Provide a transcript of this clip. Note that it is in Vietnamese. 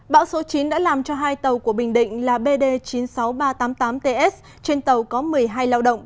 bão số chín đã làm cho hai tàu của bình định là bd chín mươi sáu nghìn ba trăm tám mươi tám ts trên tàu có một mươi hai lao động